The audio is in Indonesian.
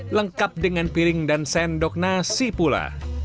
lengkap dengan piring dan sendok nasi pula